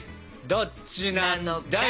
どっちなんだい。